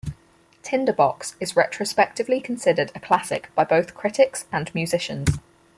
"Tinderbox" is retrospectively considered a classic by both critics and musicians.